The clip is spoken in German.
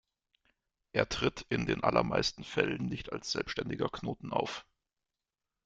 Er tritt in den allermeisten Fällen nicht als selbstständiger Knoten auf.